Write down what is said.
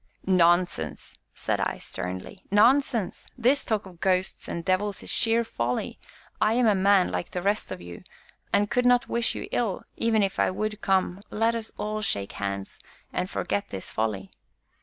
"Nonsense!" said I sternly, "nonsense! This talk of ghosts and devils is sheer folly. I am a man, like the rest of you, and could not wish you ill even if I would come, let us all shake hands, and forget this folly!"